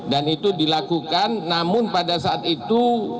dan itu dilakukan namun pada saat itu